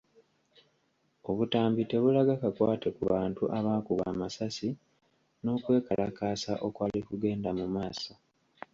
Obutambi tebulaga kakwate ku bantu abaakubwa amasasi n’okwekalakaasa okwali kugenda mu maaso .